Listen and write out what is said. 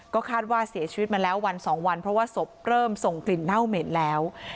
ก็คาดว่าเสียชีวิตมาแล้ววันสองวันเพราะว่าศพเริ่มส่งกลิ่นเน่าเหม็นแล้ว